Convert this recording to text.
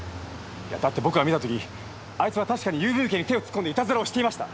だって僕が見た時あいつは確かに郵便受けに手を突っ込んでいたずらをしていました！